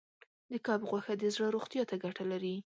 د کب غوښه د زړه روغتیا ته ګټه لري.